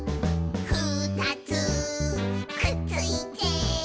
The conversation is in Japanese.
「ふたつくっついて」